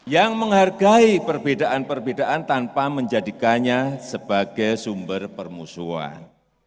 yang menghargai perbedaan perbedaan tanpa menjadikannya sebagai sumber permusuhan